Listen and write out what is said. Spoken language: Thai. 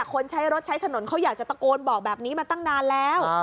คนใช้รถใช้ถนนเขาอยากจะตะโกนบอกแบบนี้มาตั้งนานแล้ว